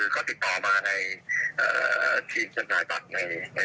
ก็ติดต่อมาในทีมจำนายบัตรของเรา